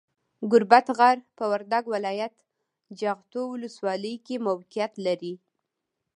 ګوربت غر، په وردګو ولایت، جغتو ولسوالۍ کې موقیعت لري.